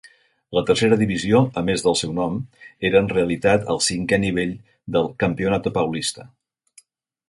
La Tercera Divisió, a més del seu nom, era en realitat el cinquè nivell del Campeonato Paulista.